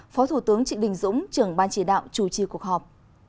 phó thủ tướng trịnh đình dũng trưởng ban chỉ đạo chủ trì cuộc họp